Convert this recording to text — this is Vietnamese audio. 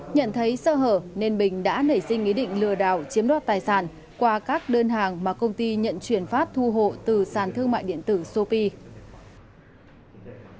nhận thấy sơ hở nên bình đã nảy sinh ý định lừa đảo chiếm đoạt tài sản qua các đơn hàng mà công ty nhận chuyển phát thu hộ từ sàn thương mại điện tử sopi